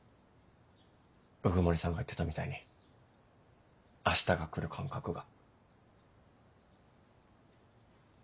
鵜久森さんが言ってたみたいに明日が来る感覚が。